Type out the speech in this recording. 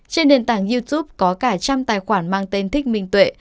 trên nền tảng youtube có cả trăm tài khoản mang tên thích minh tuệ